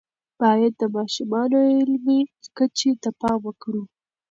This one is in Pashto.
باید د ماشومانو علمی کچې ته پام وکړو.